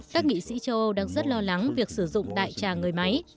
các nghị sĩ châu âu đang rất lo lắng việc sử dụng đại trà người máy